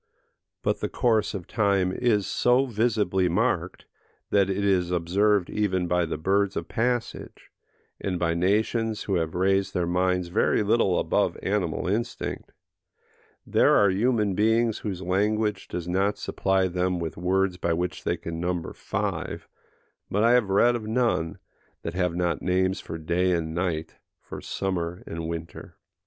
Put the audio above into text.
But the course of time is so visibly marked, that it is observed even by the birds of passage, and by nations who have raised their minds very little above animal instinct: there are human beings whose language does not supply them with words by which they can number five, but I have read of none, that have not names for day and night, for summer and winter.